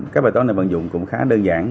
các bài toán này vận dụng cũng khá đơn giản